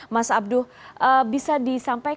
mas abduh bisa disampaikan